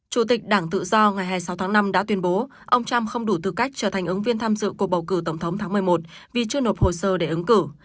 chủ tịch đảng tự do ngày hai mươi sáu tháng năm đã tuyên bố ông trump không đủ tư cách trở thành ứng viên tham dự cuộc bầu cử tổng thống tháng một mươi một vì chưa nộp hồ sơ để ứng cử